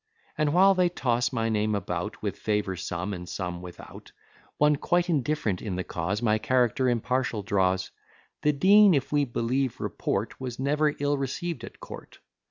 And while they toss my name about, With favour some, and some without, One, quite indiff'rent in the cause, My character impartial draws: The Dean, if we believe report, Was never ill receiv'd at court.